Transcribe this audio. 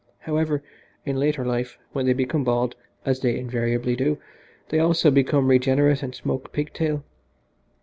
However, in later life, when they become bald, as they invariably do, they also became regenerate and smoke pig tail.